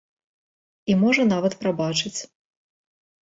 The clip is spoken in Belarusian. І можа, нават прабачыць.